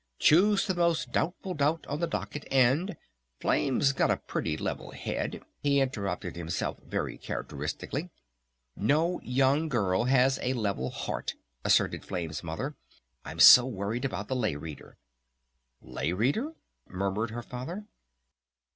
"Choose the most doubtful doubt on the docket and Flame's got a pretty level head," he interrupted himself very characteristically. "No young girl has a level heart," asserted Flame's Mother. "I'm so worried about the Lay Reader." "Lay Reader?" murmured her Father.